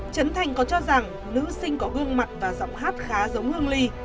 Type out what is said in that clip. trấn thành có cho rằng nữ sinh có gương mặt và giọng hát khá giống hương ly